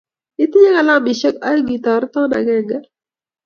Itinye kilamisyek aeng' itoreton akenge?